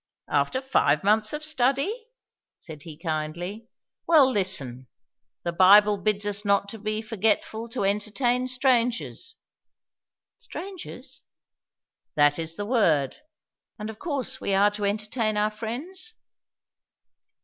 "After five months of study?" said he kindly. "Well, listen. The Bible bids us not be forgetful to entertain strangers." "Strangers!" "That is the word." "And of course we are to entertain our friends?"